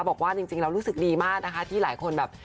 บอกว่าจริงแล้วรู้สึกดีมากนะคะที่หลายคนแบบ